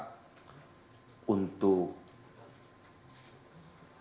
sehingga kami berharap kerjasama serta bantuan dari masyarakat